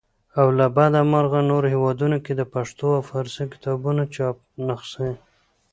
او له بده مرغه نورو هیوادونو کې د پښتو او فارسي کتابونو چاپي نخسې.